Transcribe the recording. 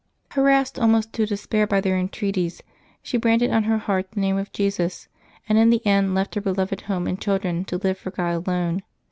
Harassed almost to despair by their entreaties, she branded on her heart the name of Jesus, and in the end left her beloved home and children to live for God alone.